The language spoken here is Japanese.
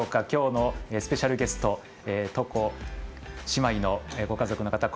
きょうのスペシャルゲスト床姉妹のご家族の方